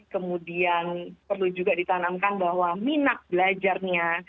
kemudian perlu juga ditanamkan bahwa minat belajarnya